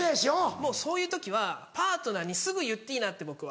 もうそういう時はパートナーにすぐ言っていいなって僕は。